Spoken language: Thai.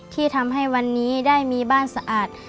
ที่ทำให้วันนี้ได้มีบ้านสะอาด